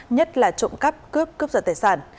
nhất là trộm cắp cướp cướp giả tài sản